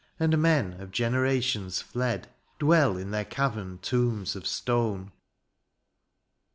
And men of generations fled Dwell in their cavemed tombs of stone.